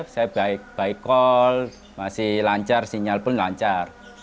saya baik baik call masih lancar sinyal pun lancar